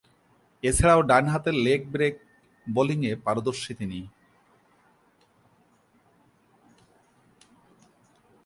এছাড়াও ডানহাতে leg break বোলিংয়ে পারদর্শী তিনি।